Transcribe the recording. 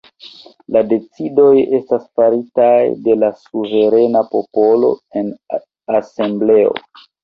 La decidoj estas faritaj de la suverena popolo en asembleo.